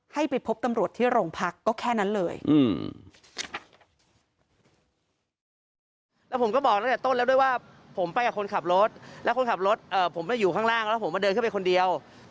ให้ไปพบตำรวจที่โรงพักก็แค่นั้นเลย